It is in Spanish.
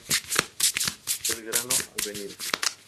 Belgrano, Av.